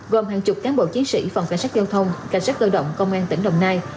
gồm hàng chục cán bộ chiến sĩ phòng cảnh sát giao thông cảnh sát cơ động công an tỉnh đồng nai